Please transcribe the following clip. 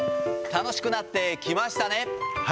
楽しくなってきましたね。